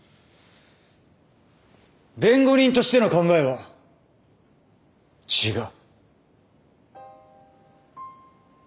弁護人としての考えは違う。